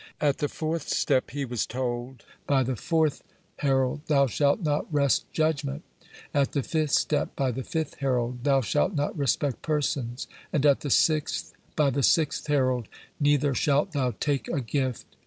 At the fourth step, he was told by the fourth herald, "Thou shalt not wrest judgment"; at the fifth step, by the fifth herald, "Thou shalt not respect persons," and at the sixth, by the sixth herald, "Neither shalt thou take a gift."